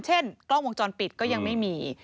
เช่นกล้องวงจรปิดก็ยังไม่มี